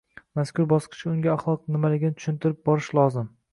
Mazkur bosqichda unga axloq nimaligini tushuntirib borish lozim